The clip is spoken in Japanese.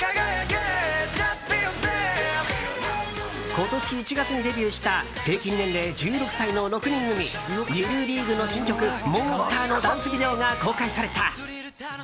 今年１月にデビューした平均年齢１６歳の６人組ＬＩＬＬＥＡＧＵＥの新曲「Ｍｏｎｓｔｅｒ」のダンスビデオが公開された。